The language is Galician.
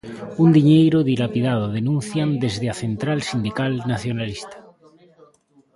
Un diñeiro "dilapidado", denuncian desde a central sindical nacionalista.